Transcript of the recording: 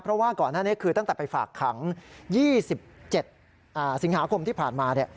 เพราะว่าก่อนหน้านี้คือตั้งแต่ไปฝากขัง๒๗สิงหาคมที่ผ่านมา